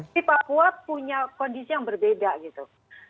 di papua punya kondisi yang berbeda gitu